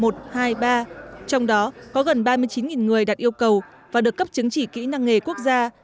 trong đó có gần ba mươi chín người đạt yêu cầu và được cấp chứng chỉ kỹ năng nghề quốc gia